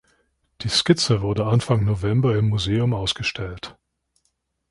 Die Skizze wurde Anfang November im Museum ausgestellt.